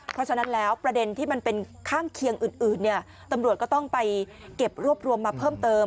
เพราะฉะนั้นแล้วประเด็นที่มันเป็นข้างเคียงอื่นเนี่ยตำรวจก็ต้องไปเก็บรวบรวมมาเพิ่มเติม